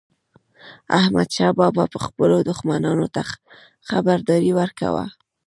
احمدشاه بابا به خپلو دښمنانو ته خبرداری ورکاوه.